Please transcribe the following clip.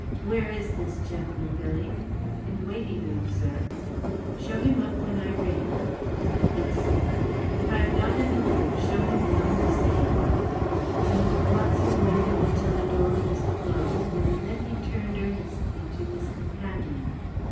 Where is this gentleman, Billy ? ‚ÄĚ " In the waiting room, sir.‚ÄĚ ‚ÄĚ Show him up when I ring.‚ÄĚ ‚ÄĚ Yes, sir.‚ÄĚ *' If I am not in the room, show him in all the same.‚ÄĚ ‚ÄĚ Yes, sir.‚ÄĚ Watson waited until the door was closed, and then he turned earnestly to his companion.